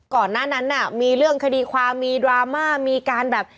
ก่อนหน้านั้นน่ะมีเรื่องคดีความมีดราม่ามีการแบบ